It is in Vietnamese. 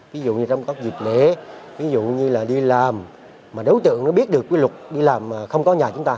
ví dụ như trong các dịp lễ ví dụ như là đi làm mà đối tượng nó biết được cái luật đi làm không có nhà chúng ta